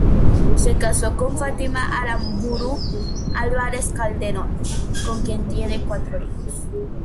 Se casó con Fátima Aramburú Álvarez Calderón, con quien tiene cuatro hijos.